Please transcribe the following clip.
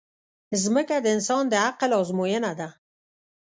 مځکه د انسان د عقل ازموینه ده.